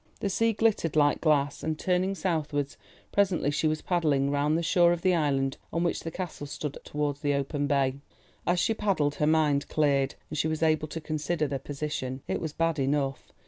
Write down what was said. The sea glittered like glass, and turning southwards, presently she was paddling round the shore of the island on which the Castle stood towards the open bay. As she paddled her mind cleared, and she was able to consider the position. It was bad enough.